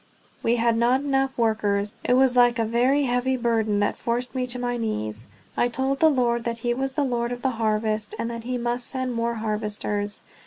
We had not enough workers. It was like a very heavy burden that forced me to my knees. I told the Lord that he was the Lord of the harvest, and that he must send more harvesters.